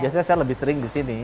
biasanya saya lebih sering di sini